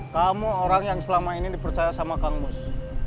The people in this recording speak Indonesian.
kamu orang yang selama ini dipercaya sama kang mus